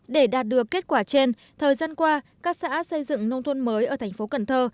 để đạt được kết quả trên thời gian qua các xã xây dựng nông thôn mới ở thành phố cần thơ